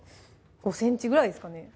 ５ｃｍぐらいですかね